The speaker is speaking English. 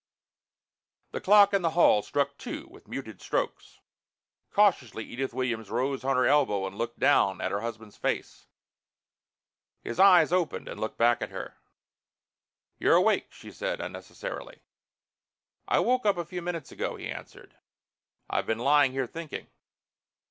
The clock in the hall struck two with muted strokes. Cautiously Edith Williams rose on her elbow and looked down at her husband's face. His eyes opened and looked back at her. "You're awake," she said, unnecessarily. "I woke up a few minutes ago," he answered. "I've been lying here thinking."